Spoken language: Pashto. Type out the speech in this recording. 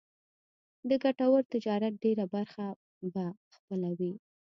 د ګټور تجارت ډېره برخه به خپلوي.